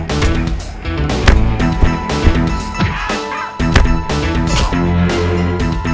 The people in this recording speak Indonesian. tapi sampai seneng enggak enak